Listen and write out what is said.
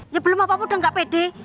ya belum apa apa udah gak pede